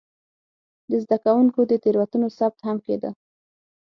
د زده کوونکو د تېروتنو ثبت هم کېده.